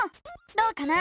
どうかな？